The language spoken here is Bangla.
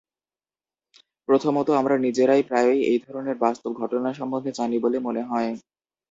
প্রথমত, আমরা নিজেরাই প্রায়ই এই ধরনের বাস্তব ঘটনা সম্বন্ধে জানি বলে মনে হয়।